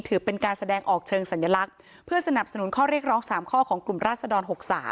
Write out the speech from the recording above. ถือเป็นการแสดงออกเชิงสัญลักษณ์เพื่อสนับสนุนข้อเรียกร้อง๓ข้อของกลุ่มราศดร๖๓